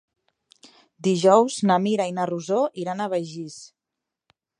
Dijous na Mira i na Rosó iran a Begís.